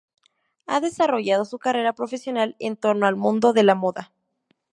Ha desarrollado su carrera profesional en torno al mundo de la moda.